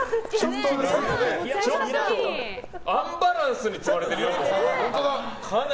ちょっとアンバランスに積まれてるよ。